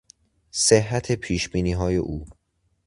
صحت پیشبینیهای او